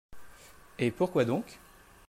Et pourquoi donc ?